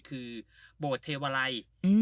คือโบทเทวรัย